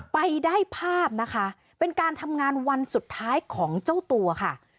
ไปได้ภาพนะคะเป็นการทำงานวันสุดท้ายของเจ้าตัวค่ะ